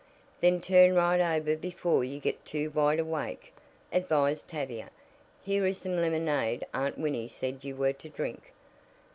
"Then turn right over before you get too wide awake," advised Tavia. "Here is some lemonade Aunt Winnie said you were to drink."